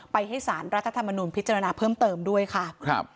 ให้สารรัฐธรรมนุนพิจารณาเพิ่มเติมด้วยค่ะครับ